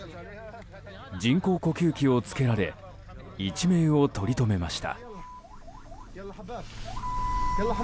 人工呼吸器をつけられ一命をとりとめました。